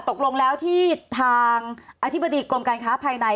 ตกลงแล้วที่ทางอธิบดีกรมการค้าภายใน